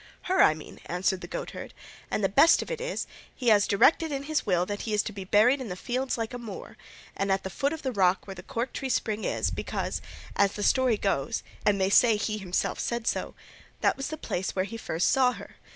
"Her I mean," answered the goatherd; "and the best of it is, he has directed in his will that he is to be buried in the fields like a Moor, and at the foot of the rock where the Cork tree spring is, because, as the story goes (and they say he himself said so), that was the place where he first saw her.